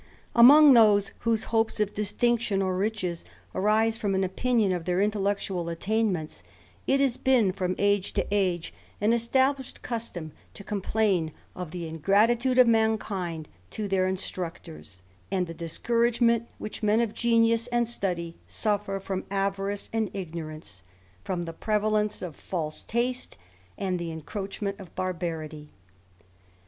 A MONG those whose hopes of distinction, or riches, ^^ aiise from an opinion of their intellectual attainments, it has been, from age to age, an established custom to complain of the ingratitude of mankind to their instructors, and the discouragement which men of genius and study suffer from avarice and ignorance, from the prevalence of false taste, and the encroachment of barbarity.